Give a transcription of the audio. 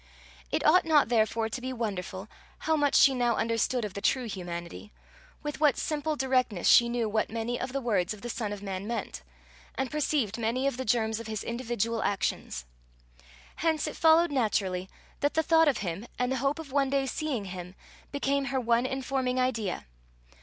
It ought not therefore to be wonderful how much she now understood of the true humanity with what simple directness she knew what many of the words of the Son of Man meant, and perceived many of the germs of his individual actions. Hence it followed naturally that the thought of him, and the hope of one day seeing him, became her one informing idea.